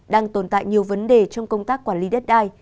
đang tồn tại nhiều vấn đề trong công tác quản lý đất đai